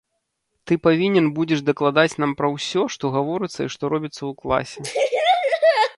Ты павінен будзеш дакладаць нам пра ўсё, што гаворыцца і што робіцца ў класе.